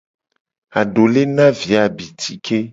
Adole na vi a abitike.